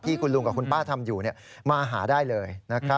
คุณลุงกับคุณป้าทำอยู่มาหาได้เลย